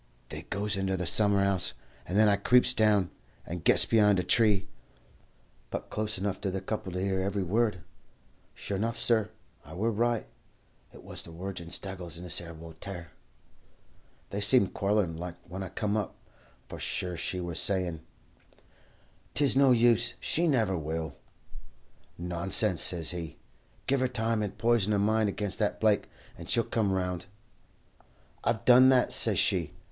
They goes into the summer 'ouse, and then I creeps down, and gets behind a tree, but close enough to the couple to hear every word. Sure 'nough, sur, I wur right; it was the wirgin Staggles and this 'ere Woltaire. "'They seemed quarrellin' like when I come up, for she wur sayin' "'Tis no use, she never will.' "'Nonsense!' says he. 'Give her time, and poison her mind against that Blake, and she'll come around.' "'I've done that,' says she.